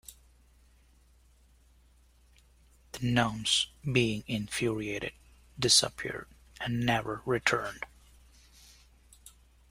The gnomes, being infuriated, disappeared and never returned.